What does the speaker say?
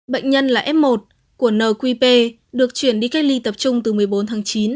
bệnh nhân là f một của nqp được chuyển đi cách ly tập trung từ một mươi bốn tháng chín